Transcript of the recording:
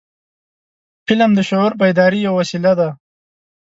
فلم د شعور بیدارۍ یو وسیله ده